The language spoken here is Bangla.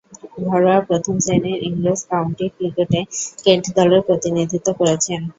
ঘরোয়া প্রথম-শ্রেণীর ইংরেজ কাউন্টি ক্রিকেটে কেন্ট দলের প্রতিনিধিত্ব করেছেন।